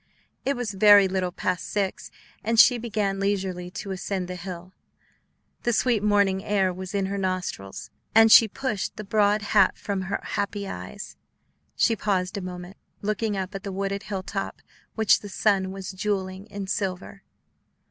It was very little past six, and she began leisurely to ascend the hill. The sweet morning air was in her nostrils, and she pushed the broad hat form her happy eyes. She paused a moment, looking up at the wooded hill top, which the sun was jewelling in silver.